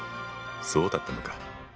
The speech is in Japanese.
そうだったのか。